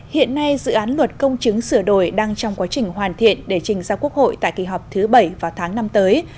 hiện nay dự án luật công chứng sửa đổi đang trong quá trình hoàn thiện để trình ra quốc hội tại kỳ họp thứ bảy vào tháng năm tới